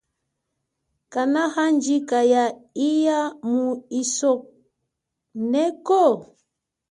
Kanahandjika ya iya mu isoneko?